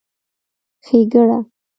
ښېګړه